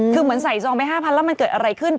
คือเหมือนใส่ซองไป๕๐๐แล้วมันเกิดอะไรขึ้น